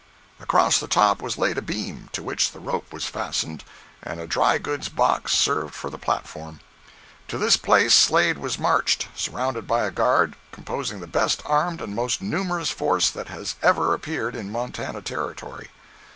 Across the top was laid a beam, to which the rope was fastened, and a dry goods box served for the platform. To this place Slade was marched, surrounded by a guard, composing the best armed and most numerous force that has ever appeared in Montana Territory.